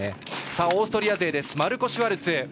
オーストリア勢ですマルコ・シュワルツ。